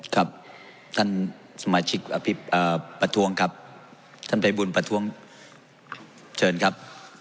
ครับท่านสมาชิกประท้วงครับท่านภัยบุญประท้วงเชิญครับ